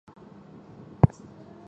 最大特色为双萤幕尺寸加大。